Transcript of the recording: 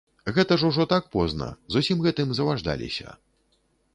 Гэта ж ужо так позна, з усім гэтым заваждаліся.